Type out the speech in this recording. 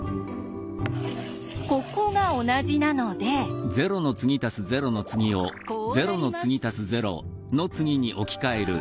ここが同じなのでこうなります。